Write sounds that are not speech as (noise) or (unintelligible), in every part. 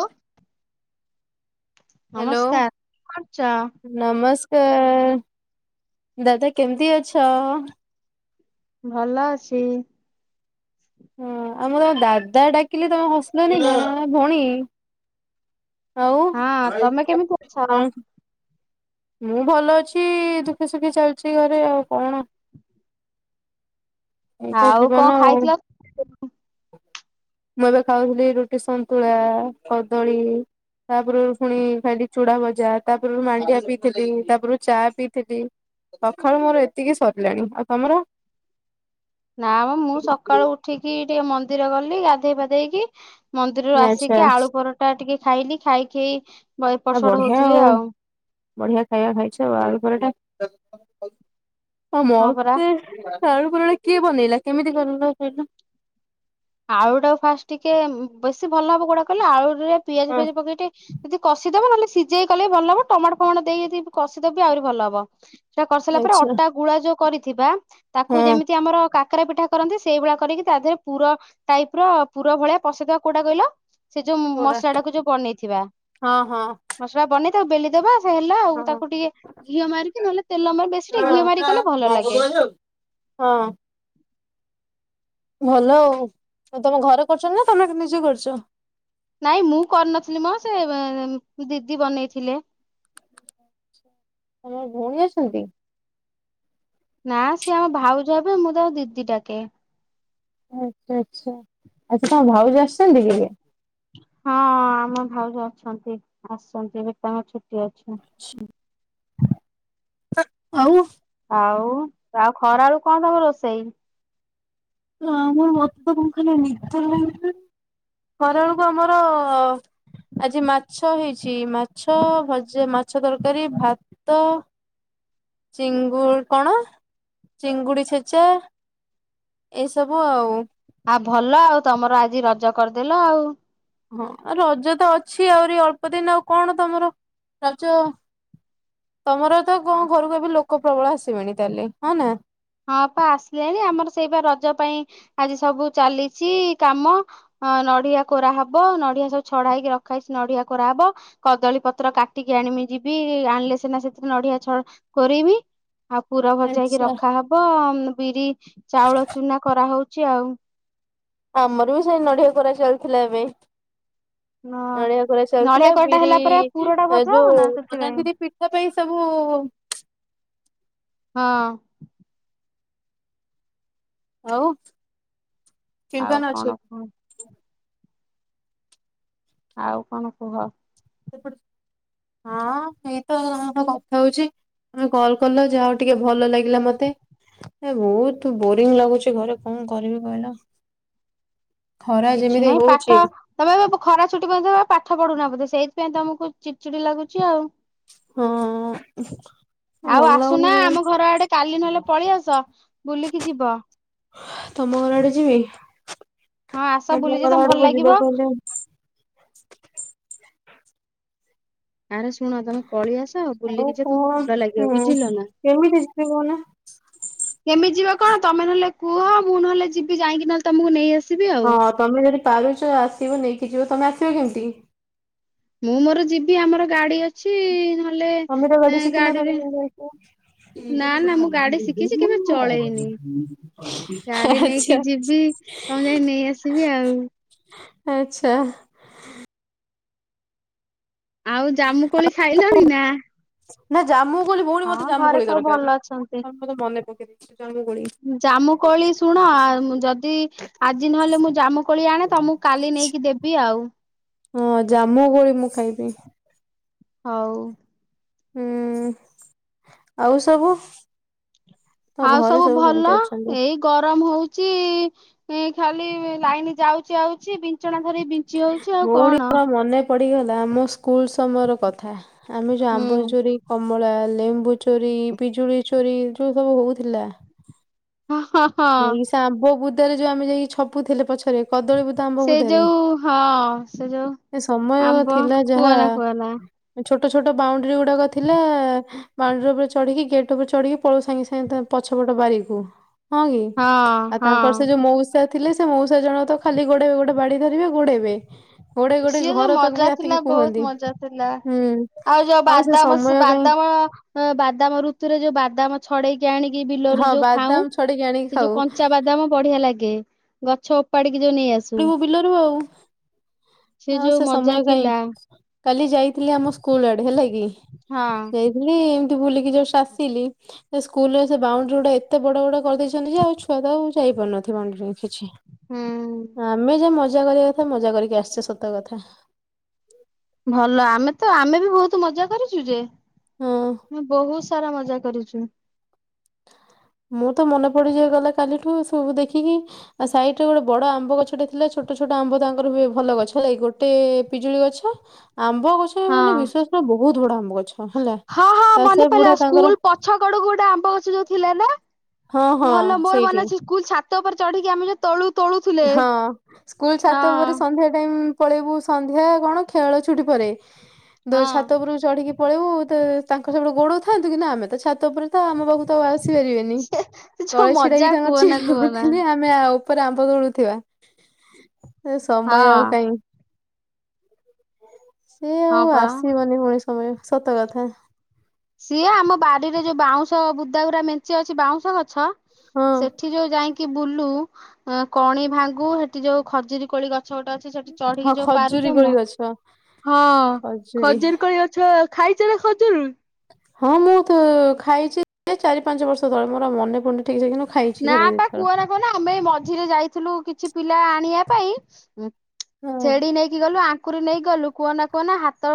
ଅଁ ହ୍ୟାଲୋ ନମସ୍କାର। କ କରଛ? ତ, ଦାଦା କେମତି ଅଛ? ଭଲ ଅଛି। ହଁ, ଆ ମୁଁ ତ ଦାଦା ଡାକିଲି ତମେ ହସିଲନି କଣ ଭଉଣୀ ଆଉ ହଁ, ତମେ କେମିତି ଅଛ? କଣ ମୁଁ ଭଲ ଅଛି, ଦୁଃଖେ ସୁଖୀ ଚାଲିଛି ଘରେ ଆଉ କଣ? ଏଇତ ଆଉ ଜୀବନ କଣ ଆଉ ଖାଇଥିଲ? ମୁଁ ଏବେ ଖାଉଥିଲି ରୁଟି ସନ୍ତୁଳା, କଦଳୀ, ତାପୂର୍ବୁରୁ ଫୁଣି ଖାଇଲି ଚୁଡା ଭଜା, ତାପୂର୍ବୁରୁ ମାଣ୍ଡିଆ ପିଇଥିଲି, ତାପୂର୍ବୁରୁ ଚା ପିଇଥିଲି, ସଖାଳୁ ମୋର ଏତିକି ସରିଲାଣି। ଆଉ ତମର? ନା ମ, ମୁଁ ସକାଳୁ ଉଠିକି ଟିକେ ମନ୍ଦିର ଗଲି, ଗାଧେଇ ପାଧେଇକି ମନ୍ଦିରରୁ ଆଚ୍ଛା ଆସିକି, ଆଳୁ ପରଟା ଟିକେ ଖାଇଲି, ଖାଇକି ଏପଟ ଆ ସେପଟ ବଢିଆ ହଉଥିଲି ଆଉ। ବଢିଆ ଖାଇବା ଖାଇଛ ଆଉ ଆଳୁ ପରଟା କ ହଁ ପରା। ମୋତେ ଆଳୁ ପରଟା କିଏ ବନେଇଲା କେମିତି କରଲ ସେଇଟା? ଆଳୁଟାକୁ ଫାଷ୍ଟ ଟିକେ, ବେଶୀ ଭଲ ହବ କୋଉଟା କହିଲ? ଆଳୁ ଏୟା ପିଆଜ ଫିଆଜ ପକେଇ ଟିକେ, ଯଦି କଷିଦବ ନହେଲେ ସିଝେଇ କଲେ ବି ଭଲ ହବ ଟମାଟୋ ଫମାଟୋ ଦେଇକି କଷିଦବି ଆହୁରି ଭଲ ହବ ସେଇ କରିସାରିଲା ପରେ ଆଚ୍ଛା ଅଟା ଗୁଳା ଯୋଉ- କରିଥିବା ତାକୁ ହଁ। ଯେମିତି ଆମର କା - କାରରା ପିଠା କରନ୍ତି ସେଇଭଳିଆ କରିକି ତା ଦେହରେ ପୁର- ତାଇ ପୁରା ପୁର ଭଳିଆ କସିଦେବ କୋଉଟା କହିଲ ସେ ଯୋଉ କୋଉଟା ମସଲା ଟାକୁ ଯୋଉ ବନେଇଥିବା ହଁ ହଁ ମସଲା ବନେଇ- ବେଲିଦବା। ହେଲା ଆଉ ହଁ ତାକୁ ଟିକେ ଘିଅ ମାରିକି ନହେଲେ ତେଲ ମାରି ବେଶୀ ଟିକେ ଘିଅ ହଁ ମାରି କଲେ ଭଲ ଲାଗେ। ହଁ ଭଲ ଆଉ ତମେ ଘରେ କରୁଛ ନା ତମେ ନିଜେ କରୁଛ? ନାଇଁ ମୁଁ କରିନଥିଲି ମ ସେ ଦିଦି ବନେଇଥିଲେ। ତମର ଭଉଣୀ ଅଛନ୍ତି? ନା ସିଏ ଆମ ଭାଉଜ ହେବେ ମୁଁ ତାଙ୍କୁ ଦିଦି ଡାକେ। ଆଚ୍ଛା ଆଚ୍ଛା ଆଚ୍ଛା ତମ ଭାଉଜ ଆସିଛନ୍ତି କି? ହଁ ଅ ଆମ ଭାଉଜ ଅଛନ୍ତି ଆସିଛନ୍ତି ଏବେ ତାଙ୍କ ଛୁଟି ଟି ଅଛି। (unintelligible) ଆଉ। ଆଉ ଆଉ ଖରାଅଳୁ କଣ ତମର ରୋଷେଇ? ଆମର ମତେ କଣ ଖାଲି ନିିଦ ଲାଗୁଚି ଖରା ବେଳକୁ ଆମର ଆଜି ମାଛ ହେଇଚି। ଚି ମାଛ ଭଜା ମାଚ ମାଛ ତରକାରୀ ଭାତ ଚିଙ୍ଗୁ କଣ ଚିଙ୍ଗୁଡି ଛେଚା। ଏସବୁ ଆଉ। ଆ ଭଲ ଆଉ ତମର ଆଜି ରଜ କରିଦେଲ ଆଉ। ହଁ ଆଉ ରଜ ତ ଅଛି ଆହୁରି ଅଳ୍ପ ଦିନ ଆଉ କଣ ତମର ରଜ ତମର ତ କଣ ଘରକୁ ଏବେ ଲୋକ ଲୋକ ପ୍ରବଳ ଆସିବେଣିି ତାହେଲେ ହଁ ନା? ହଁ ପା ଆସିଲେଣି ଆମର ସେଇ ବା ରଜ ପାଇଁ ଆଜି ସବୁ ଚାଲିଚି କାମ ଅ ନଡିଆ କୋରାହବ ନଡିଆ ସବୁ ଛଡା ହେଇକି ରଖା ହେଇଚି ନଡିଆ କୋରାହବ କଦଳୀ ପତ୍ର କାଟିକି ଆଣିବି ଯିବି ଆଣିଲେ ସିନା ସେଥିରେ ନଡିଆ ଛ କୋରେଇବି। ଆଉ ପୁରା ଭଜା ହେଇକି ଆଚ୍ଛା। ରଖ ହବ ବିରି ଚାଉଳ ଚୁନା କରାହଉଚ ଚି ଆଉ। ଆମର ବି ସେଇ ନଢ଼ିଆ କୋରା ଚାଲିଥିଲା ଏବେ। ହଁ ନଡ଼ିଆ କୋରା ନଡିଆ ଚାଲିଥିଲା କୋରାଟା ବିରି ହେଲା ପରେ ପୁରଟା ଭଜା ହବ ଯୋଉ ନା ସେଥିପାଇଁ ବନାନ୍ତିନି ପିଠା ପାଇଁ ସବୁ ହଁ। ଆଉ। ଆଉ ଚିନ୍ତନ ଅଛି କଣ କୁହ? ଆଉ କଣ କୁହ? ସେପଟ ହଁ ସେଇତ ବ କଥା ହଉଚି ତମେ କଲ କଲ ଯାହା ହଉ ଟିକେ ଭଲ ଲାଗିଲା ମତେ ବହୁତ ବୋରିଙ୍ଗ ଲାଗୁଚି ଘରେ କଣ କରିବି କହିଲ? ଖରା କିଛି ଯେମିତି ନାହିଁ ହଉଛି। ପାଠ ତମେ ଏବେ ଖରା ଛୁଟି ପରେ ପାଠ ପଢୁନା ବୋଧେ ସେଇ ସେଥିପାଇଁ ତମକୁ ଚିଡିଚିଡି ଲାଗୁଛି ଆଉ। ହଁ ଆଉ ଭଲ ଆସୁନା ଲାଗୁନି ଆମ ଘର ଆଡେ କାଲି ନହେଲେ ପଳେଇ ଆସ ବୁଲିକି ଯିବ। ତମ ଘର ଆଡେ ଯିବି? ହଁ ଆସ ତମ ବୁଲିଯିବ ଘର ତମକୁ ଭଲ ଆଡ଼କୁ ଲାଗିବ। ଯିବାକୁ ହେଲେ ଆରେ ଶୁଣ ତମେ ପଳେଇଆସ ଆଉ ବୁଲିକି ଯ ତମକୁ ଭଲ ଲାଗିବ ହୁଁ ବୁଝିଲ ନା କେମିତି ଯିବି କହୁନା କେମିତି ଯିବ କଣ ତମେ ନହେଲେ- କୁହ ମୁଁ ନହେଲେ ଯିବି ଯାଇକି ନହେଲେ ତମକୁ ନେଇ ଆସି ହଁ ତମେ ଯଦି- ପାରୁଛ ଆସିବ ନେଇକି ଯିବ ତମେ ଆସିବ କେମିତି? ମୁଁ ମୋର ଯିବି ଆମର ଗାଡି ଅଛି ନହଲେ- ମମି ତ ଗଡି ଶିଖିନା ତମ ନା ନା ମୁଁ ଗାଡି ଶିଖିଛି କେବେ ଚଳେଇନି (unintelligible) ଗାଡି ନେଇକି ଆଛା- ଯିବି ତମକୁ ଯାଇ ନେଇ ଆସିବି ଆଉ। ଆଚ୍ଛା ଆଉ ଜାମୁ କୋଳି ଖାଇଲଣି ନା- ନା ଜାମୁ- କୋଳି ଭଉଣୀ ମତେ ହଁ ଜାମୁ ଘରେ କୋଳି ସବୁ ଦରକାର ଭଲ ଅଛନ୍ତି। ତମେ ମତେ ମନେ ପକେଇ ଦେଇଛ ଜାମୁ କୋଳି ଜାମୁକୋଳି ଶୁଣ, ଆ ଉମ୍ ଯଦି ଆଜି ନହେଲେ ମୁଁ ଜାମୁକୋଳି ଆଣେ, ତମୁକୁ କାଲି ନେଇକି ଦେବି ଆଉ। ହଁ, ଜାମୁକୋଳି ମୁଁ ଖାଇବି। ହଉ। ହୁଁ। ଆଉ ସବୁ ତମ ଆଉ ଘରେ ସବୁ କେମିତି ଭଲ। ଅଛନ୍ତି? ଏଇ ଗରମ ହଉଚି ଖାଲି ଲାଇନ୍ ଯାଉଛି ଆଉଛି, ବିନ୍ ବିଞ୍ଚଣା ଧରି ବିଞ୍ଚି ହଉଛୁ, ଆଉ କଣ? ପଡ଼ିଗଲା, ଆମ ସ୍କୁ ସ୍କୁଲ ସମୟର କଥା। ଆମେ ଯୋଉ ଆମ୍ବ ହୁଁ। ଚୋରି କର୍ କମଳା, ଲେମ୍ବୁ ଚୋରି, ପିଜୁଳି ଚୋରି, ଯୋଉ ସବୁ ହଉଥିଲା ହଁ ହଁ ହଁ ଏଇ ଶାମ୍ପୁ ବୁଦ୍ ତୋଟାରେ ଯୋଉ ଆମେ ଯାଇକି ଛପୁଥିଲେ ପଛ ସେ ଯୋଉ ହଁ, ସେ ଯୋଉ ଏ ସମୟ ଆମ୍ବ, ଥିଲା ଯାହା କୁହନା କୁହନା। ଛୋଟ ଛୋଟ ବାଉଣ୍ଡ୍ରିଗୁଡାକ ଥିଲା, ବାଉଣ୍ଡ୍ରି ଉପରେ ଚଢିକି, ଗେଟ୍ ଉପରେ ଚଢିକି, ପଳଉ ସାଙ୍ଗେ ସାଙ୍ଗେ ତା ପଛପଟ ବାରିକୁ। ହଁ, କି? ହଁ ଆଉ ତାଙ୍କର ସେ ଯୋଉ ହଁ ମଉସା ଥିଲେ ସେ ମଉସା ଜଣକ ତ ଖାଲି ଗୋଡେ ଗୋଡେ ବାଡି ଧରିବେ ଗୋଡେଇବେ। ଗୋଡେଇ ଗୋଡେଇ ସିଏ ଯୋଉ ଘର ତକ ମଜା ବି ଥିଲା ଆସିକି ବହୁତ କୁହନ୍ତି ମଜା ଥିଲା ହୁଁ ଆଉ ଯୋଉ ବାଦାମ ସେ ବାଦାମ ଅଁ ବାଦାମ ଋତୁରେ ଯୋଉ ବାଦାମଛ ଫଡେଇ ସିଏ ଆଣିକି ବିଲରୁ ହଁ ଯୋଉ ଖାଉଁ, ବାଦାମ ଛଡେଇକି ଆଣିକି ସେ ଖାଉ ଯୋଉ କଞ୍ଚା ବାଦାମ ବଢିଆ ଲାଗେ। ଗଛ ଓପାଡି ପଡିବୁ ବିଲରୁ ଆଉ। ଆଉ ଯୋଉ ସେ ମଜା ସମୟ କାଇଁ ଥିଲା। କାଲି ଯାଇଥିଲି ଆମ ସ୍କୁଲ ଆଡେ ହେଲା କି ହଁ। ଯାଇଥିଲି ବୁଲିକି ଜଷ୍ଟ ଆସିଲି ସେ ସ୍କୁଲରେ ସେ ବାଉଣ୍ଡରୀ ଗୁଡା ଏତେ ବଡ ବଡ କରିଦେଇଚନ୍ତି ଯେ ଆଉ ଛୁଆ ତ ଆଉ ଯାଇପାରୁନଥିବେ ବାଉଣ୍ଡରୀରେ କିଛି। ହୁଁ ଆମେ ଯେ ମଜ ମଜା କରିବା କଥା ମଜା କରିକି ଆସେ ସ ସତ କଥା। ଭଲ ଆମେ ତ ଆମେ ବି ବହୁତ ମଜା କରିଚୁ ଯେ। ହଁ ଆମେ ବହୁତ ସ ସାରା ମଜା କରୁଚୁ। ମୁଁ ତ ମନେ ପଡି ଯାଏ ଗଲା କାଲିଠୁ ସବୁ ଦେଖିକି ଆ ସାଇଡ ଗୋଟେ ବଡ ଆମ୍ବ ଗଛଟେ ଥିଲା ଛୋଟ ଛୋଟ ଆମ୍ବ ତାଙ୍କର ହୁଏ ଭଲ ଗଛ ହେଲା ଗୋଟେ ପିଜୁଳି ଗଛ ଆମ୍ବ ଗଛ ହଁ। ମାନେ ବିଶ୍ୱାସ କର ବୋ ବହୁତ ବଡ଼ ଆମ୍ବ ଗଛ ହେଲା ହଁ ହଁ ତା ସେ ମନେ ପଇଲା ବୁଢା ତାଙ୍କର ସ୍କୁଲ ପଛ କଡକୁ ଗୋଟେ ଆମ୍ବ ଗଛ ଯୋଉ ଥିଲେ ନା? ହଁ ହଁ ଭଲ ମୋର ମନେ ସେଇଠି। ଅଛି ସ୍କୁଲ ଛାତ ଉପରେ ଚଢିକି ଆମେ ତଳୁ ତୋଳୁଥିଲେ ହଁ ସ୍କୁଲ ହଁ। ଛାତ ଉପରେ ସନ୍ଧ୍ୟା ଟାଇମ ପଳେଇବୁ ସନ୍ଧ୍ୟା କଣ ଖେଳ ଛୁଟି ପରେ ଦୋ ହଁ ଛାତ ଉପରୁକୁ ଚଢିକି ପଳେଇବୁ ତ ତାଙ୍କୁ ସେପଟେ ଗୋଡଉ ଥାନ୍ତୁ କିନ୍ତୁ ଆମେ ତ ଛାତ ଉପରେ ତ ଆମ ବାକୁ ତ ଆସ ସି ପାରିବେନି ସେ ଯୋଉ ତଳେ ମଜା ଛିଡାହେଇକି ତାଙ୍କର କୁହନା ଚିଲୋଉ କୁହନା। ଥିଲେ ଆମେ ଆଉ ପରା ମ୍ ମ୍ବ ତୋଳୁଥିବା। ଏ ସମୟ ଆଉ ହଁ କାଇଁ। ସେ ହଁ ଆଉ ପା ଆସିବନି (unintelligible) ସମୟ ସତ କଥା। ସିଏ ଆମ ବାଡିରେ ଯୋଉ ବାଉଁଶ ବୁଦାଗୁୁରା ମେଞ୍ଚେ ଅଛି ବାଉଁଶ ଗଛ ହଁ ସେଠି ଯୋଉ ଯାଇଁକି ବୁଲୁ ଅଁ କଣି ଭାଙ୍ଗୁ ସେଠି ଯୋଉ ଖଜୁରୀ କୋଳି ଗ ଗଛ ଗୋଟେ ଅଛି ସେଠି ହଁ ଚଢିକି ଯୋଉ ଖଜୁରୀ ପାରୁଚ କୋଳି ମ ଗଛ ହଁ ଖଜୁରୀ ଖଜୁର କଳି ଗଛ ଖାଇଛ ନା ଖଜୁରୀ? ହଁ ମୁଁ ତ ଖାଇଚି ଚାରି ପାଞ୍ଚ ବର୍ଷ ତଳେ ମୋର ଆଉ ମନେ ପୁଡୁନି। ନା ପା କୁଅନା କୂଅନା ଆମେ ମଝିରେ ଯାଇଥିଲୁ କିଛି ପିଲା ଆଣିବା ପାଇଁ ଉଁ। ହଁ ସେଡି ନେଇକି ଗଲୁ ଆ କୁରୀ ନେଇକି ଗଲୁ କୁଅନା କୁଅନା ହାତ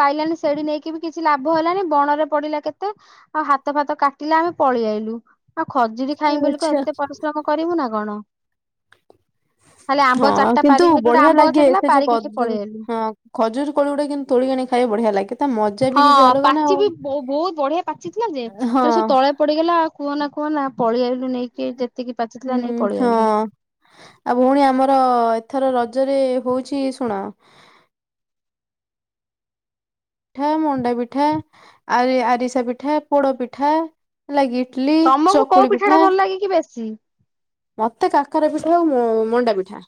ପାଇଲାନି ସେଡି ନେଇକି ବି କିଛି ଲାଭ ହେଲାନି ବଣରେ ପଡିଲା କେତେ ଆଉ ହାତ ଫାତ କାଟିଲେ ଆମେ ପଳେଇ ଆଲୁ ଆଉ ଖଜୁ ଖାଇମୁଁ ବୋଲ କଣ ଆଚ୍ଛା। ଏତେ ପରିଶ୍ରମ କରିବୁ ନା କଣ। ଖାଲି ହଁ ଆମ୍ବ ଚାରିଟା କିନ୍ତୁ ପାରିକି ସେଠି ଗୋଟେ ବଢିଆ ଆମ୍ବ ଲାଗେ ଗଛ ଥିଲା ସେ ଯୋଉ ପାରିକି ନେଇ କଜୁ ପଳେଇ ଆଇଲୁ। ହଁ ଖଜୁରୀ କୋଳି ଗୁଡା କିନ୍ତୁ ତୋଳି ଆଣି ଖାଇବା ବଢିଆ ଲାଗେ। ତା ମଜା ବି ହଁ କିଛି ଅଲଗା ନା ପାଚି ଆଉ। ବି ବୋ ବହୁତ ବଢିଆ ପାଚି ଥିଲା ଯେ ହଁ ସେଡା ତଳେ ପଡିଗଲା କୁଅନା କୁଅନା ପଳିଆଇଲୁ ହୁଁ ହଁ ଆଉ ଭଉଣୀ ଆମର ଏଥର ର ଜରେ ହଉଛି ଶୁଣ। ପିଠା ମଣ୍ଡା ପିଠା ଆ ଆରିସା ପିଠା ପୋଡ ପିଠା ଲାଗି ତମକୁ କୋଉ ପିଠା ଟା ଭଲ ଲାଗେ କି ବେଶି? ମତେ କାକରା ପିଠା ଆଉ ମଣ୍ଡା ପିଠା।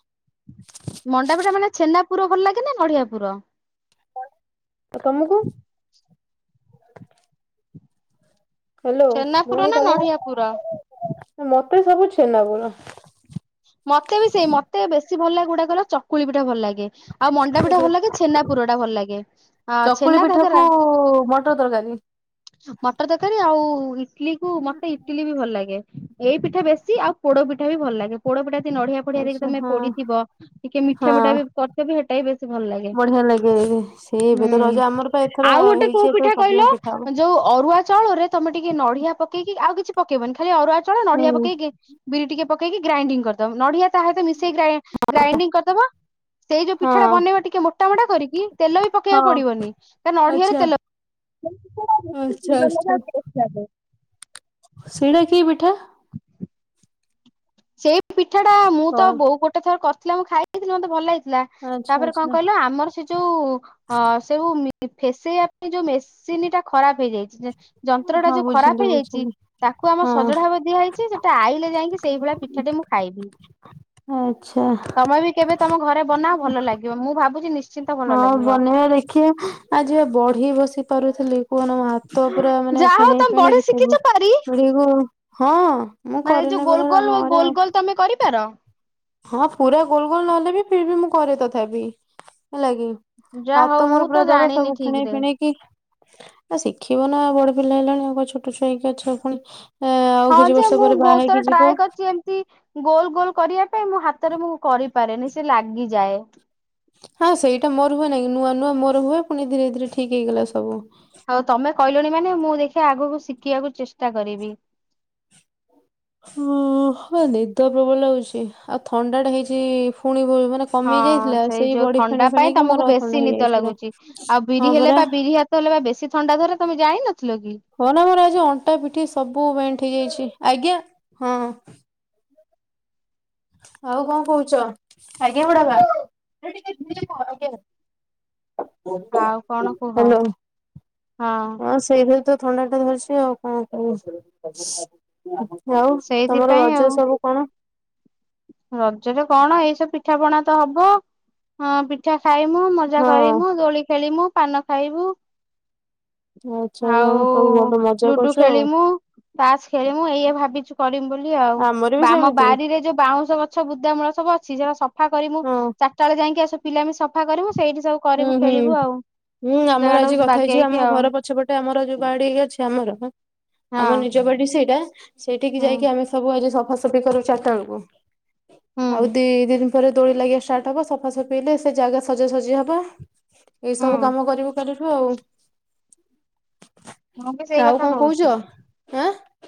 ମଣ୍ଡାପିଠା ମାନେ ଛେନା ପୁର ଭଲ ଲାଗେ ନା ନଢିଆ ପୁର। କଣ। ଆଉ ତମକୁ। (inaudible) ହ୍ୟାଲୋ ଛେନା ପୁର ଭଉଣୀ ନା ତମ ନଡିଆ (unintelligible) ପୁର? ମତ୍ ଏଥିରେ ସବୁ ଛେନା ପୁର। ମତେ ବି ସେଇ ମତେ ବେଶି ଭଲ ଲାଗେ କଉଟା କହିଲ ଚକୁଳି ପିଠା ଭଲ ଲାଗେ। ଆଉ ମଣ୍ଡା ପିଠା ଭଲ ଲାଗେ। ଛେନା ପୁର ଟା ଭଲଲାଗେ। ଆ ଚକୁଳି ଛେନା ପିଠାକୁ ଘାଗେରା। ମଟର ତରକାରୀ ମଟର ତରକାରୀ ଆଉ ଇ ଇଟିଲି କୁ ମତେ ଇଟିଲି ବି ଭଲ ଲାଗେ। ଏଇ ପିଠା ବେଶି ଆଉ ପୋଡ ପିଠା ବି ଭଲ ଲାଗେ। ପୋଡ ପିଠା ଯଦି ନଢିଆ ଫଢିଆ ଦେଇକି ଆଚ୍ଛା ତମେ ହଁ ପୋଡିଥିବ। ଟିକେ ମିଠା ହଁ। ମିଠା ବି କରିଥିବ ବି ହେତେ ଏଇ ବେ ବଢିଆ ଲାଗେ ସେଏ ଏବେ ତ ହୁଁ ରଜ ଆମର ପା ଏଥର ଆଉ ଗୋଟେ କୋଉ ହେଇଛି ଏଥର ପିଠା କହିଲ ସବୁଜାକ ପିଠା ହେବ। ଯୋଉ ଅରୁଆ ଚାଉଳରେ ତମେ ଟିକେ ନଢିଆ ପକେଇକି ଆଉ କିଛି ପକେଇବନି ଖାଲି ଅରୁଆ ଚଳେ ନଢିଆ ହୁଁ ପକେଇକି ଗେ ବିରି ଟିକେ ପକେଇକି ଗ୍ରାଇଣ୍ଡିଙ୍ଗ କରିଦବ। ନଢିଆ ତା ସହିତ ମିଶେଇ ଗ୍ରା ଗ୍ରାଇଣ୍ଡିଙ୍ଗ କରିଦବ। ସେଇ ଯୋଉ ହଁ ପିଠା ଟା ବନେଇବ ଟିକେ ମୋଟା ମୋଟା କରିକି ତେଲ ବି ହଁ ପକେଇବାକୁ ପଡିବନି। କାରଣ ନଢିଆରେ ତେଲ। (unintelligible) ଆଚ୍ଛା ଆଚ୍ଛା। ହଁ। ସିଡା କି ପିଠା? ସେଇ ପି ଠାଟା ମୁଁ ତ ବୋଉ ଗୋଟେ ଥର କରି ଥିଲା ମୁଁ ଖାଇଥିଲି ମତେ ଭଲ ଲାଗି ଥିଲା ଆଚ୍ଛା ତାପରେ କଣ ଆଚ୍ଛା କହିଲ ଆମର ସେ ଯୋଉ ସେଉ ମି ଫେସେଇବା ପାଇଁ ଯୋଉ ମେସିନ୍ ଟା ଖରାପ ହେଇଯାଇଛି। ଯେ ଯନ୍ତ୍ର ଟା ହଁ ଯୋଉ ଖରାପ ବୁଝିଲି ହେଇଯାଇଛି ବୁଝିଲି ତାକୁ ଆମର ହଁ ସଜଡା ଭାବେ ଦିଆଯାଇଛି। ସେଟା ଆଇଲେ ଯାଇକି ସେଇଭଳିଆ ମୁଁ ଖାଇବି। ଆଚ୍ଛା। ତମେ ବି କେବେ ତମ ଘରେ ବନାଅ ଭଲ ଲାଗିବ। ମୁଁ ଭାବୁ ଭାବୁଛି ନିଶ୍ ହଁ ବନେଇବା ଦେଖିବା ଆଜିିବା ବଢି ବସି ପାରୁଥିଲି। କୁହନ ମୋ ହାତ ପୁରା ମାନେ ଯାହା ହଉ ଫେଣେଇ ତମେ ବଢି ଶିଖିଛ ପାରି ଫେଣେଇକି (unintelligible) ହଁ ମୁଁ ମାନେ ଯୋଉ କରିନି ଗୋଲ ବେଳେ ବଳେ ଆମ ଗୋଲ ଘରେ ଗୋଲ ଆଉ। ଗୋଲ ତମେ କରିପାର? ହଁ ପୁରା ଗୋଲ ଗୋଲ ନହେଲେ ବି ଫିରୀବି ମୁଁ ଘରେ ତଥାପି ହେଲାକି। ଯା ହଉ ହାତ ମୋର ମୁଁ ପୁରା ତ ଦର ଜାଣିନି ସବୁ ଠିକ ଫିଣେଇ ରେ। ଫିଣେଇକି ଆ ଶିଖିବ ନା ବଡ ପିଲା ହେଲଣି ଆଉ କଣ ଛୋଟ ଛୁଆ ହେଇକି ଅଛ ପୁଣି ଏ ଆଉ ହଁ କିଛି ଯେ ବର୍ଷ ମୁଁ ପରେ ବାହା ବହୁତ ହେଇକି ଥର ଯିବ। ଟ୍ରାଏ କରିଚି ଏମିତି ଗୋଲ ଗୋଲ କରିବା ହେ ମୋ ହାତରେ ମୁଁ କରିପାରେନି ସେ ଲାଗିଯାଏ। ହଁ ସେଇଟା ମୋର ହୁଏ ନାଇଁ ନୂଆ ନୂଆ ମୋର ହୁଏ ପୁଣି ଧୀରେ ଧୀରେ ଠିକ୍ ହେଇଗଲା ସବୁ। ଆଉ ତମେ କହିଲଣି ମାନେ ମୁଁ ଦେଖି ଆଗକୁ ଶିଖିବାକୁ ଚେଷ୍ଟା କରିବି। ହ ହ ନିଦ ପ୍ରବଳ ଲାଗୁଛି ଆଉ ଥଣ୍ଡା ଟା ହେଇଛି ପୁଣି ବ- ମାନେ ହଁ କମି ଯାଇଥିଲା ସେଇ ଯୋଉ ବଡି ଥଣ୍ଡା ଫେଣେଇ ପାଇଁ ଫେଣେଇକି ତମକୁ ମୋର ଥଣ୍ଡା ବେଶୀ ନିଦ ହେଇଯାଇଛି ପୁରା ଲାଗୁଛି ଆଉ ବିରି ହଁ ହେଲେ ପରା ବା ବିରି ହାତ ହେଲେ ବା ବେଶୀ ଥଣ୍ଡା ଧଲେ ତମେ ଜାଣିନ କି? ହଁ ନା ମୋର ଆଜି ଅଣ୍ଟା ପିଠି ସବୁ ବେଣ୍ଟ ହେଇଯାଇଛି। ଆଜ୍ଞା ହଁ। ଆଉ କଣ କହୁଛ ଆଜ୍ଞା ବଡ଼ବାପା ଆଉ କଣ କୁହ? ହଁ ସେଇରା ତ ଥଣ୍ଡା ଟା ଧରିଛି ଆଉ କଣ କର ଆଉ ତମର ସେଇଥିପାଇଁ ଆଉ। ରଜ ସବୁ କଣ? ରଜରେ କଣ ଏଇସବୁ ପିଠାପଣା ତ ହବ ଅ ପିଠା ଖାଇମୁ ମଜା ହଁ କରିମୁ ଦୋଳି ଖେଳିମୁ। ପାନ ଖାଇବୁ। ଆଚ୍ଛା ଆଉ ତମେ ସବୁ ଭଲ ମଜା ଲୁଡୁ କରୁଛ ଆଉ ଖେଳିମୁ ତାସ୍ ଖେଳିମୁ ଏଇଆ ଭାବିଚୁ କରିମୁ ବୋଲି ଆଉ ଆମର ବି ଆମ ସେମିତି ବାରିରେ ଯୋଉ ବାଉଁଶ ଗଛ ବୁଦା ମୂଳ ସବୁ ଅଛି (unintelligible) ସଫା କରି ମୁଁ ହଁ ଚାରିଟା ବେଳେ ଯେ ଯାଇକି ଆସ ପିଲା ସଫା କରିବୁ। ସେଇଠି ସବୁ ହୁଁ କରିବୁ ହୁଁ ଖେଳିବୁ ଆଉ ହୁଁ ଜାଗା ଆମର ଆଜି ଟାକୁ କଥା ହେଇଚି ବା ବାଗେଇକି ଆମ ଆଉ ଘର ପଛପଟେ ଆମର ଯୋଉ ବାଡ଼ିକି ଅଛି ଆମର। ହଁ ଆମ ନିଜ ବାଡି ସେଇଟା। ସେଠିକି ହୁଁ ଯାଇକି ଆମେ ସବୁ ଆଜି ସପ୍ ଫସଲ ବି କରିବୁ ଚାଟାବେଳକୁ? ହୁଁ ହଉ ଦି ଦିନ ରେ ଦୋଳି ଲାଗିବା ଷ୍ଟାର୍ଟ ହବ ସଫା ସଫି ହେଲେ ସେ ଜାଗା ସଜାସଜି ହବ। ବା ଏଇ ସବୁ ହୁଁ କାମ କରିବୁ କାଲିଠୁ ହଉ। ମୁଁ ବି ସେଇ ଆଉ କଥା କଣ କହୁଛି। କହୁଚ ଆଁ?